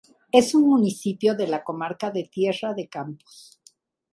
Es un municipio de la comarca de Tierra de Campos.